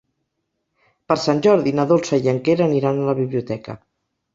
Per Sant Jordi na Dolça i en Quer aniran a la biblioteca.